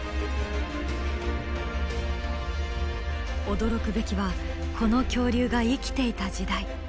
驚くべきはこの恐竜が生きていた時代。